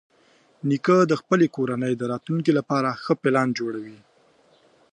نیکه د خپلې کورنۍ د راتلونکي لپاره ښه پلان جوړوي.